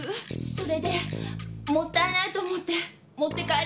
それでもったいないと思って持って帰りました。